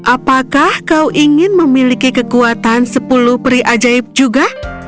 apakah kau ingin memiliki kekuatan sepuluh peri ajaib juga